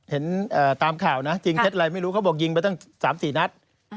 เห็นตามข่าวนะจริงเท็จอะไรไม่รู้เขาบอกยิงไปตั้ง๓๔นัด